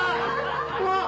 もう！